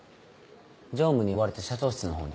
常務に呼ばれて社長室の方に。